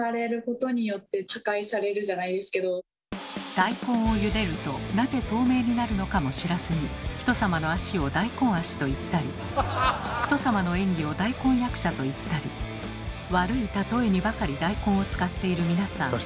大根をゆでるとなぜ透明になるのかも知らずに人様の足を「大根足」と言ったり人様の演技を「大根役者」と言ったり悪い例えにばかり大根を使っている皆さん。